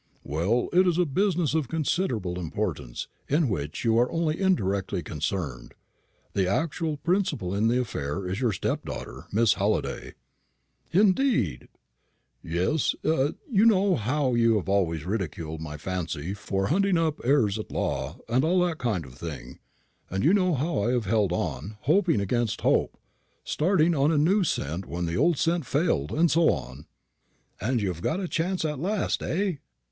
"Well, it is a business of considerable importance, in which you are only indirectly concerned. The actual principal in the affair is your stepdaughter, Miss Halliday." "Indeed!" "Yes. You know how you have always ridiculed my fancy for hunting up heirs at law and all that kind of thing, and you know how I have held on, hoping against hope, starting on a new scent when the old scent failed, and so on." "And you have got a chance at last, eh?"